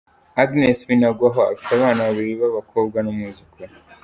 Agnes Binagwaho afite abana babiri b’abakobwa n’umwuzukuru.